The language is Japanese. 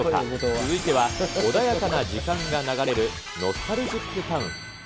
続いては、穏やかな時間が流れるノスタルジックタウン。